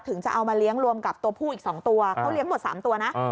จะเอามาเลี้ยงรวมกับตัวผู้อีก๒ตัวเขาเลี้ยงหมด๓ตัวนะ